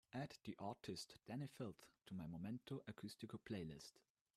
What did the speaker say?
add the artist dani filth to my momento acústico playlist